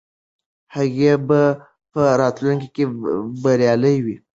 هغوی به په راتلونکي کې بریالي وي.